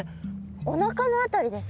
おなかの辺りですか？